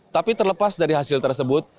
tapi terlepas dari hasil tersebut